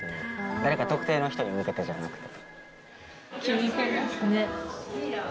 誰か特定の人に向けてじゃなくて。